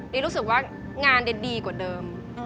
เด็กรู้สึกว่างานเด็ดดีกว่าเดิม